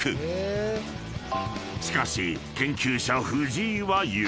［しかし研究者藤井は言う］